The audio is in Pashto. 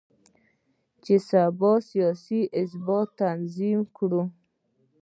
چې د سبا سیاسي ثبات تضمین کړو.